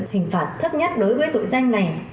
hình phạt thấp nhất đối với tội danh này